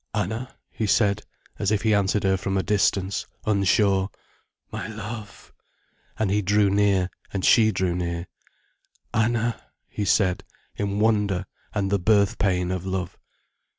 "Anna," he said, as if he answered her from a distance, unsure. "My love." And he drew near, and she drew near. "Anna," he said, in wonder and the birthpain of love.